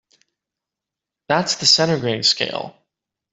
That's the centigrade scale.